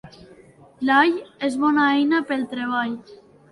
L'all és bona eina pel treball.